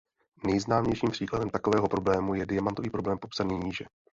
Nejznámějším příkladem takového problému je diamantový problém popsaný níže.